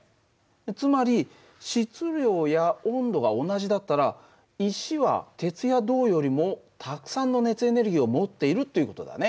つまり質量や温度が同じだったら石は鉄や銅よりもたくさんの熱エネルギーを持っているという事だね。